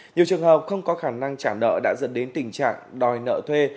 nhiều trường hợp không có khả năng trả nợ đã dẫn đến tình trạng đòi nợ thuê